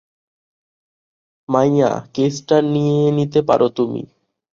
মাইয়া, কেসটা নিয়ে নিতে পারো তুমি।